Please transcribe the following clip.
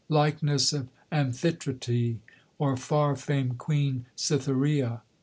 Likeness of Amphitrite, or far famed Queen Cythereia.